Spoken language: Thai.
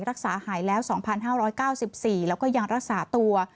รักษาหายแล้ว๒๕๙๔แล้วก็ยังรักษาตัว